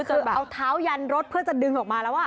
คือแบบเอาเท้ายันรถเพื่อจะดึงออกมาแล้ว